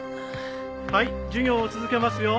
はい授業を続けますよ。